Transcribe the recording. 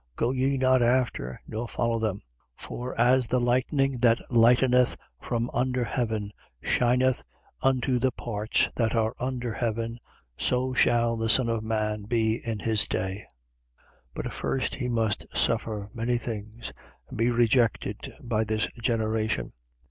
Go ye not after, nor follow them. 17:24. For as the lightning that lighteneth from under heaven shineth unto the parts that are under heaven, so shall the Son of man be in his day. 17:25. But first he must suffer many things and be rejected by this generation.